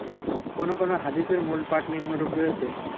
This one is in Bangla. কোন কোন হাদীসের মূল পাঠ নিম্নরূপ রয়েছে।